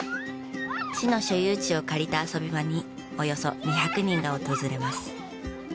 市の所有地を借りた遊び場におよそ２００人が訪れます。